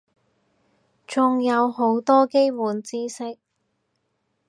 仲有好多基本知識